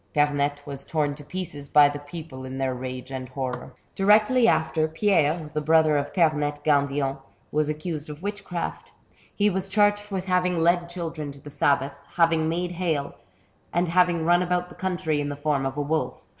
Pernette was torn to pieces hy the people in their rage and horror. Directly after, Pierre, the hrother of Pernette Gan dillon, was accused of witchcraft. He was charged with having led children to the sabbath, having made hail, and having run about the country in the form of a wolf.